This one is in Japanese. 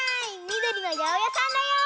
みどりのやおやさんだよ。